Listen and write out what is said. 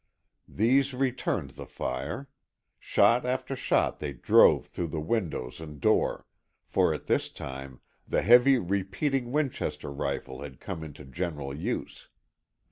These returned the fire, shot after shot they drove through the windows and door, for, at this time, the heavy repeating Winchester rifle had come into general use.